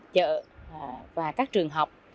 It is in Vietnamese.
chợ và các trường học